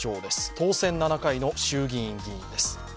当選７回の衆議院議員です。